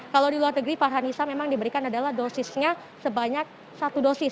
kalau di luar negeri farhanisa memang diberikan adalah dosisnya sebanyak satu dosis